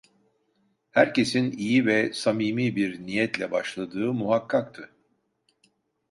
Herkesin iyi ve samimi bir niyetle başladığı muhakkaktı.